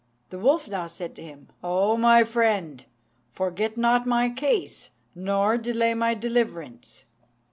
The wolf now said to him, "O my friend! forget not my case, nor delay my deliverance."